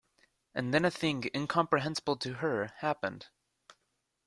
And then a thing incomprehensible to her happened.